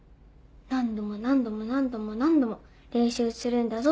「何度も何度も何度も何度も練習するんだぞ」